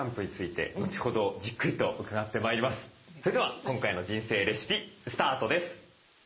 それでは今回の「人生レシピ」スタートです。